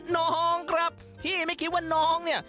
น้องครับพี่ไม่คิดว่าน้องเนี่ย